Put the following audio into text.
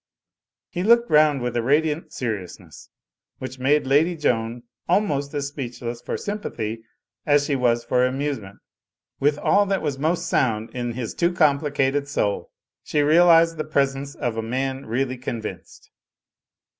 "' He looked round with a radiant seriousness, which made Lady Joan almost as speechless for sympathy as she was for amusement. With all that was most sound in his too complicated soul she realized the pres ence of a man really convinced.